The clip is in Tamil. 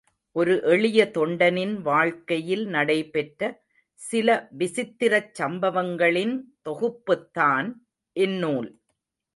ஒரு எளிய தொண்டனின் வாழ்க்கையில் நடைபெற்ற சில விசித்திரச் சம்பவங்களின் தொகுப்புத்தான் இந்நூல்.